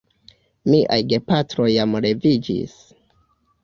Miaj gepatroj jam leviĝis.